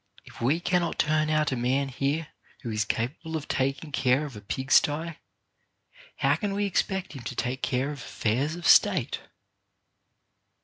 If we cannot turn out a man here who is capable of taking care of a pig sty, how can we expect him to take care of affairs of State